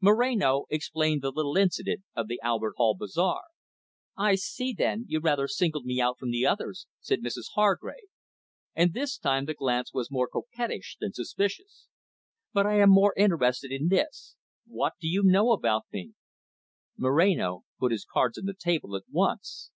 Moreno explained the little incident of the Albert Hall Bazaar. "I see, then, you rather singled me out from the others," said Mrs Hargrave, and this time the glance was more coquettish than suspicious. "But I am more interested in this what do you know about me?" Moreno put his cards on the table at once.